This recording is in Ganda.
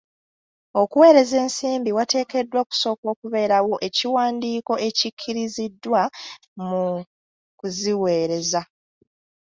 Okuweereza ensimbi wateekeddwa okusooka okubeerawo ekiwandiko ekikkiriziddwa mu kuziweereza.